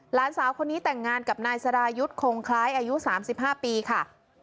หลานสาวคนนี้แต่งงานกับนายสรายุทธ์คงคล้ายอายุ๓๕ปีค่ะ